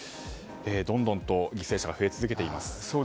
どんどんと犠牲者が増え続けています。